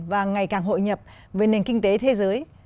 và ngày càng hội nhập với nền kinh tế thế giới